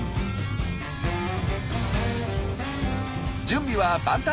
準備は万端！